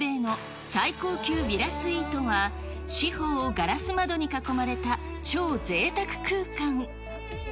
中でも広さ１００平米の最高級ヴィラスイートは、四方をガラス窓に囲まれた超ぜいたく空間。